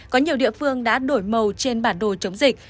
có nhiều địa phương đã đổi màu trên bản đồ chống dịch